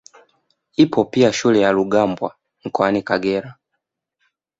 Ipo pia shule ya Rugambwa mkaoni Kagera